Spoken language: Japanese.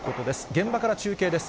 現場から中継です。